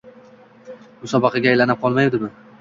musobaqaga aylanib qolmaydimi?